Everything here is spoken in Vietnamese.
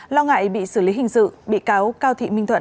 lo ngại bị xử lý hình sự bị cáo cao thị minh thuận